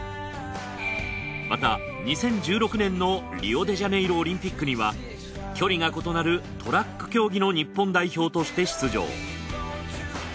また２０１６年のリオデジャネイロオリンピックには距離が異なるトラック競技の日本代表として出場。